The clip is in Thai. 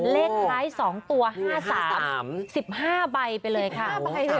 เลขท้าย๒ตัว๕๓๑๕ใบไปเลยค่ะ